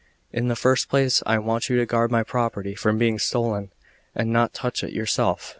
In the first place, I want you to guard my property from being stolen, and not touch it yourself.